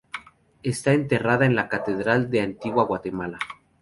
Está enterrada en la Catedral de Antigua Guatemala.